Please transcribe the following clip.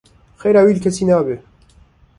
Xêra wî li kesî nabe.